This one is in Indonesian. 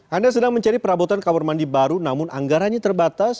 anda sedang mencari perabotan kamar mandi baru namun anggarannya terbatas